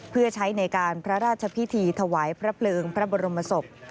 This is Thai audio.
เพื่อใช้ในการพระราชพิธีถวายพระเพลิงพระบรมศพ